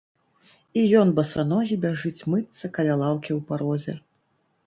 І ён басаногі бяжыць мыцца каля лаўкі ў парозе.